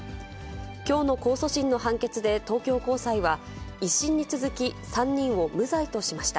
きょうの控訴審の判決で、東京高裁は、１審に続き、３人を無罪としました。